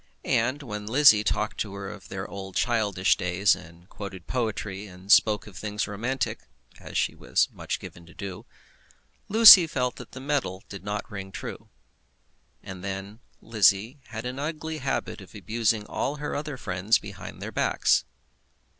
And when Lizzie talked to her of their old childish days, and quoted poetry, and spoke of things romantic, as she was much given to do, Lucy felt that the metal did not ring true. And then Lizzie had an ugly habit of abusing all her other friends behind their backs.